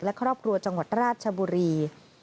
และครอบครัวจังหวัดราชบุรี